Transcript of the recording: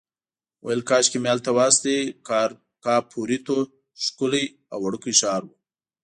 ویل کاشکې مې هلته واستوي، کاپوریتو ښکلی او وړوکی ښار و.